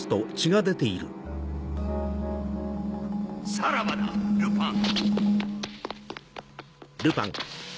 さらばだルパン。